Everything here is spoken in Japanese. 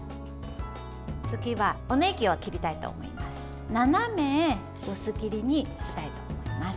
次はおねぎを切りたいと思います。